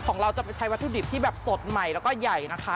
ของเราจะไปใช้วัตถุดิบที่แบบสดใหม่แล้วก็ใหญ่นะคะ